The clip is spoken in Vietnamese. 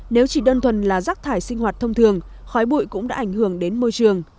nếu chỉ đơn thuần là rác thải sinh hoạt thông thường khói bụi cũng đã ảnh hưởng đến môi trường